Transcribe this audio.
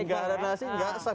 nggak ada nasi nggak sah